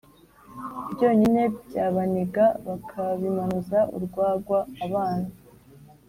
byonyine byabaniga bakabimanuza urwagwa. Abana